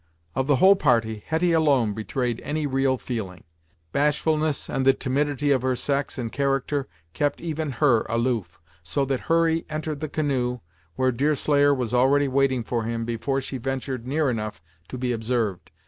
Of the whole party, Hetty alone betrayed any real feeling. Bashfulness, and the timidity of her sex and character, kept even her aloof, so that Hurry entered the canoe, where Deerslayer was already waiting for him, before she ventured near enough to be observed.